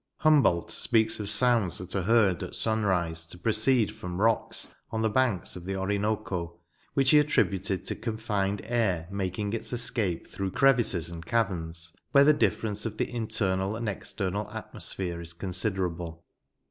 Humboldt speaks of sounds that are heard, at sunrise, 108 NOTES. to proceed from rocks on the banks of the Orinoco, which he attributed to confined air making its escape through crevices and caverns where the difference of the internal and external atmos phere is considerable.